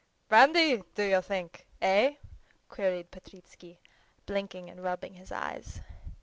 "Brandy, do you think? Eh?" queried Petritsky, blinking and rubbing his eyes.